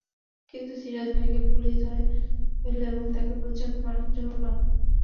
কিন্তু সিরাজ ভাইকে পুলিশ ধরে ফেলে এবং তাঁকে প্রচণ্ড মারধর করে।